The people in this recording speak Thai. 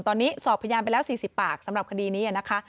ตอนนี้สอบพยานไปแล้ว๔๐ปากสำหรับคดีนี้นะคะ